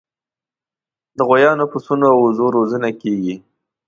د غویانو، پسونو او وزو روزنه کیږي.